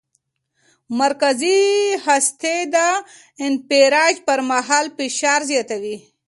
مرکزي هستي د انفجار پر مهال فشار زیاتوي.